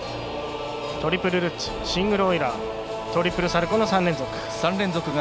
トリプルルッツシングルオイラートリプルサルコーの３連続。